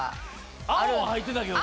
「アオッ！」は入ってたけどね。